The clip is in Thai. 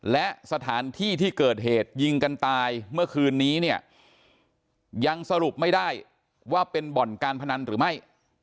และสถานที่ที่เกิดเหตุยิงกันตายเมื่อคืนนี้เนี่ยยังสรุปไม่ได้ว่าเป็นบ่อนการพนันหรือไม่